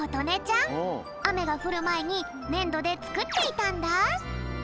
あめがふるまえにねんどでつくっていたんだ。